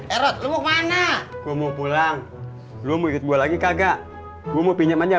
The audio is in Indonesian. erot lu mau pulang lu mau ikut gue lagi kagak gue mau pinjam aja